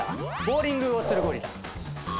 ボウリングをするゴリラ。